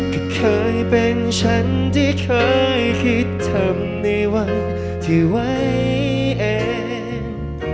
ก็เคยเป็นฉันที่เคยคิดทำในวันที่ไว้เอง